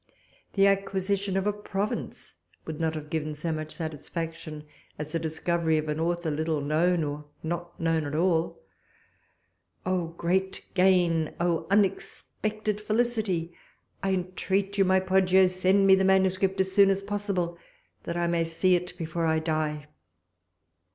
The acquisition of a province would not have given so much satisfaction as the discovery or an author little known, or not known at all. "Oh, great gain! Oh, unexpected felicity! I intreat you, my Poggio, send me the manuscript as soon as possible, that I may see it before I die!"